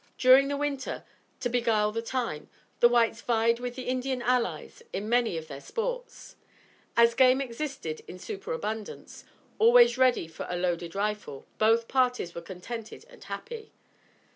During the winter, to beguile the time, the whites vied with their Indian allies in many of their sports. As game existed in superabundance, always ready for a loaded rifle, both parties were contented and happy.